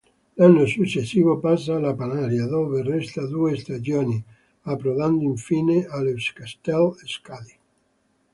L'anno successivo passa alla Panaria, dove resta due stagioni, approdando infine all'Euskaltel-Euskadi.